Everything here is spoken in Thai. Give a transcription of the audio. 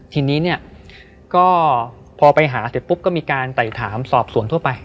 ทีนี้เนี่ยก็พอไปหาเสร็จปุ๊บก็มีการไต่ถามสอบสวนทั่วไป